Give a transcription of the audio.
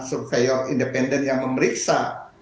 surveyor independen yang memeriksa